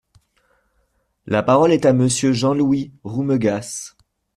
La parole est à Monsieur Jean-Louis Roumegas.